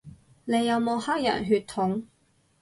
你有冇黑人血統